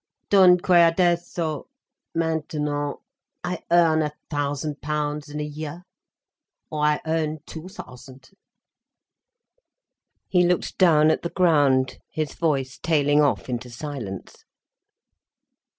"Dunque, adesso—maintenant—I earn a thousand pounds in a year, or I earn two thousand—" He looked down at the ground, his voice tailing off into silence.